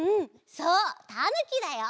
そうたぬきだよ！